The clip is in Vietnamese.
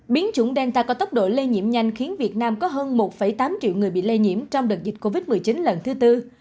biến chủng delta có tốc độ lây nhiễm nhanh khiến việt nam có hơn một tám triệu người bị lây nhiễm trong đợt dịch covid một mươi chín lần thứ tư